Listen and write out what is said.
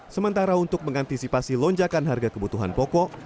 sementara untuk mengantisipasi lonjakan harga kebutuhan pokok